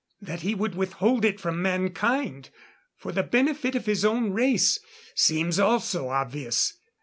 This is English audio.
That he would withhold it from mankind, for the benefit of his own race, seems also obvious.